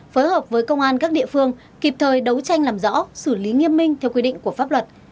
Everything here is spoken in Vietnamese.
phối hợp với công an các địa phương kịp thời đấu tranh làm rõ xử lý nghiêm minh theo quy định của pháp luật